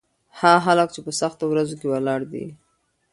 هغه خلک چې په سختو ورځو کې ولاړ دي.